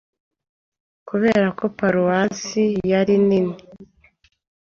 Kubera ko paruwasi yari nini,